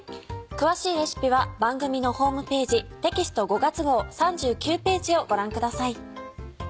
詳しいレシピは番組のホームページテキスト５月号３９ページをご覧ください。